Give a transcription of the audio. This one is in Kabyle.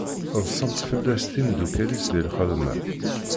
Ḍṣant fell-as temdukkal-is di lxedma.